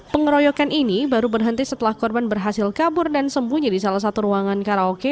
pengeroyokan ini baru berhenti setelah korban berhasil kabur dan sembunyi di salah satu ruangan karaoke